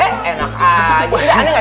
eh enak aja